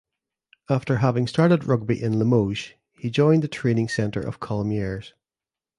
After having started rugby in Limoges he joined the training center of Colomiers.